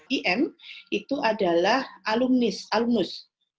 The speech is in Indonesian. im itu adalah alumnus